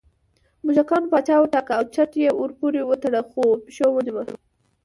موږکانو پاچا وټاکه او چج یې ورپورې وتړه خو پېشو ونیوه